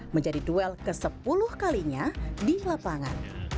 menjadi duel ke sepuluh kalinya di lapangan